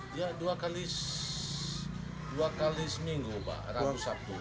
dia dua kali seminggu pak